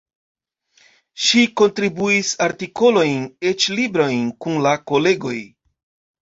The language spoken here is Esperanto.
Ŝi kontribuis artikolojn, eĉ librojn kun la kolegoj.